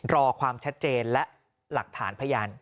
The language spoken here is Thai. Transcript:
รอความชัดเจนและหลักฐานพยาน